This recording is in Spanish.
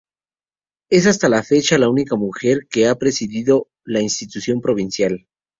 Es hasta la fecha la única mujer que ha presidido la institución provincial.